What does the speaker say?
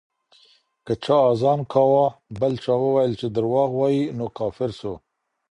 که چا اذان کاوه، بل چا وويل چي درواغ وايي، نو کافر سو